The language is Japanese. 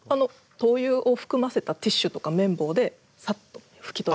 灯油を含ませたティッシュとか綿棒でさっと拭き取れば。